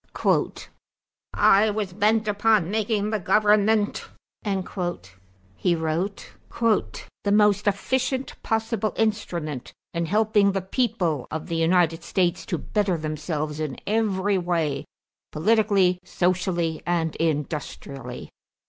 "I was bent upon making the government," he wrote, "the most efficient possible instrument in helping the people of the United States to better themselves in every way, politically, socially, and industrially.